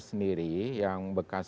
sendiri yang bekas